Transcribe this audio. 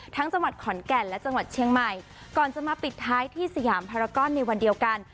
จังหวัดขอนแก่นและจังหวัดเชียงใหม่ก่อนจะมาปิดท้ายที่สยามภารกรในวันเดียวกัน